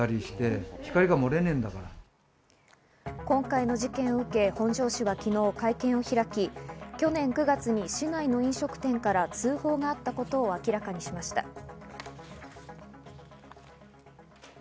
今回の事件を受け、本庄市は昨日、会見を開き去年９月に市内の飲食店から通報があったことを明らかにしました。